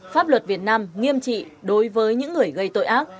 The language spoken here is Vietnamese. pháp luật việt nam nghiêm trị đối với những người gây tội ác